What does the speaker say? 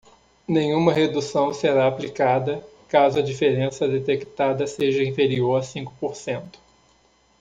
Nenhuma redução será aplicada caso a diferença detectada seja inferior a cinco por cento.